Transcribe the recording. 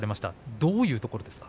どういうところですか？